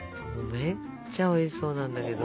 めっちゃおいしそうなんだけど。